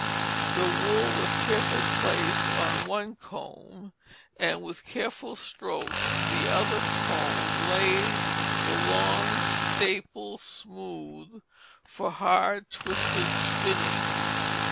The wool was carefully placed on one comb, and with careful strokes the other comb laid the long staple smooth for hard twisted spinning.